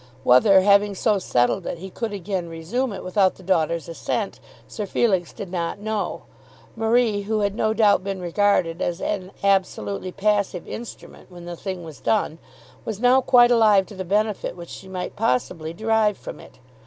Whether having so settled it, he could again resume it without the daughter's assent, Sir Felix did not know. Marie, who had no doubt been regarded as an absolutely passive instrument when the thing was done, was now quite alive to the benefit which she might possibly derive from it.